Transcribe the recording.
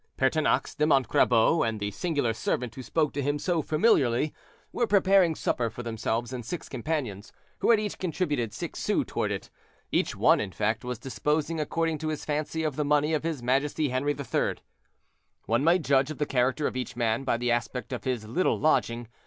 Pertinax de Montcrabeau, and the singular servant who spoke to him so familiarly, were preparing supper for themselves and six companions, who had each contributed six sous toward it; each one, in fact, was disposing according to his fancy of the money of his majesty Henri III. One might judge of the character of each man by the aspect of his little lodging.